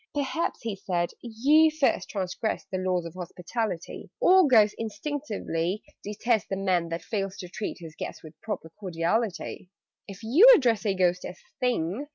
"Perhaps," he said, "you first transgressed The laws of hospitality: All Ghosts instinctively detest The Man that fails to treat his guest With proper cordiality. "If you address a Ghost as 'Thing!'